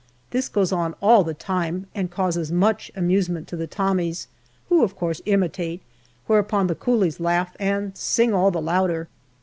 This goes on all the time and causes much amusement to the Tommies, who of course imitate, whereupon the coolies laugh and sing all the louder.